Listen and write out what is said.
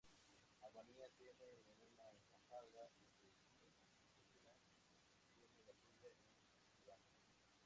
Albania tiene una embajada en Beijing y China tiene la suya en Tirana.